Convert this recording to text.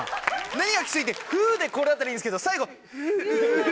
何がきついってフでこれだったらいいんですけど。